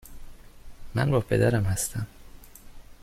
من با پدرم هستم.